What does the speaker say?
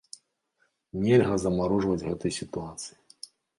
Нельга замарожваць гэтай сітуацыі.